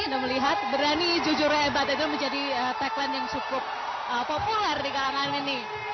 anda melihat berani jujurnya hebat itu menjadi tagline yang cukup populer di kalangan ini